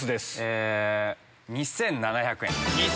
２７００円。